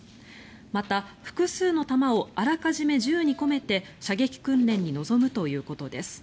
また、複数の弾をあらかじめ銃に込めて射撃訓練に臨むということです。